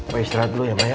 paya istirahat dulu ya maya